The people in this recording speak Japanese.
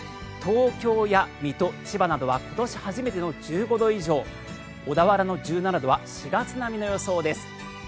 東京や水戸、千葉などは今年初めての１５度以上小田原の１７度は４月並みの予想です。